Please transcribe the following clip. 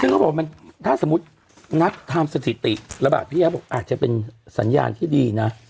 ซึ่งเขาบอกว่ามันถ้าสมมุตินับทำสถิติระบาดพี่แอฟบอกอาจจะเป็นสัญญาณที่ดีนะ